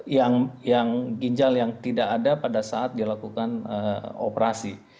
yang ginjal yang tidak ada pada saat dilakukan operasi